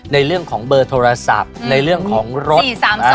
ในเรื่องของเบอร์โทรศัพท์ในเรื่องของรถ